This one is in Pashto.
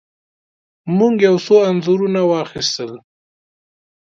موږ یو څو انځورونه واخیستل.